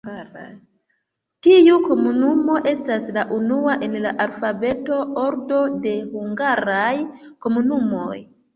Tiu komunumo estas la unua en la alfabeta ordo de hungaraj komunumoj.